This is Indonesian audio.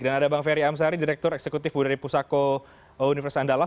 dan ada bang ferry amsari direktur eksekutif budi pusako universitas andalas